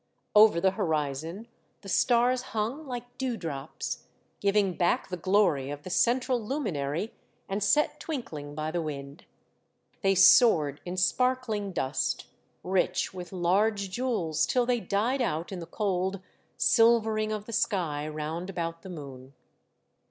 Over the horizon the stars hung like dew drops, giving back the glory of the central luminary and set twinkling by the wind. They soared in sparkling dust, rich with large jewels, till they died out in the cold silvering of the sky round about the moon.